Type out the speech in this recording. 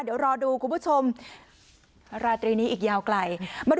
เดี๋ยวรอดูคุณผู้ชมราตรีนี้อีกยาวไกล